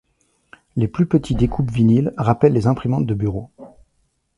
Les plus petits découpes vinyles rappellent les imprimantes de bureau.